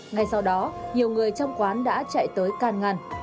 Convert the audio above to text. ngay sau đó nhiều người trong quán đã chạy tới can ngăn